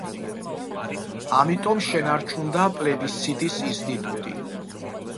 ამიტომ შენარჩუნდა პლებისციტის ინსტიტუტი.